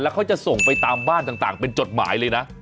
เขาจะส่งไปตามบ้านต่างเป็นจดหมายเลยนะ